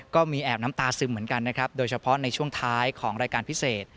ก็มีแอบน้ำตาซึมเหมือนกันนะครับโดยเฉพาะในช่วงท้ายของรายการพิเศษ